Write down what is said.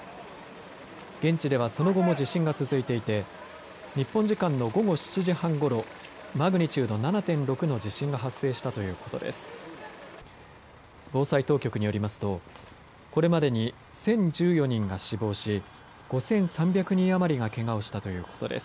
現地ではその後も地震が続いていて日本時間の午後７時半ごろマグニチュード７．６の地震が発生したということです。